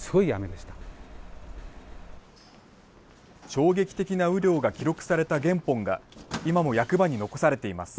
衝撃的な雨量が記録された原本が今も役場に残されています。